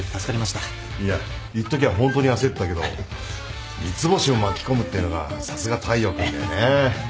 いやいっときはホントに焦ったけど三ツ星を巻き込むってのがさすが大陽君だよね。